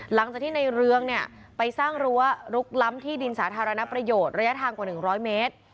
หลังจากที่ในเรืองเนี่ยไปสร้างรั้วลุกล้ำที่ดินสาธารณประโยชน์ระยะทางกว่า๑๐๐เมตร